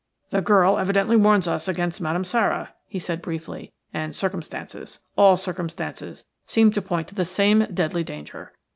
"The girl evidently warns us against Madame Sara," he said, briefly, "and circumstances, all circumstances, seem to point to the same deadly danger.